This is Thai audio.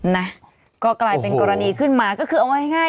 นะก็กลายเป็นกรณีขึ้นมาก็คือเอาง่าย